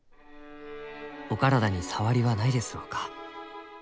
お体に障りはないですろうか？